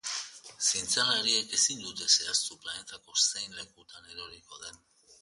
Zientzialariek ezin dute zehaztu planetako zein lekutan eroriko den.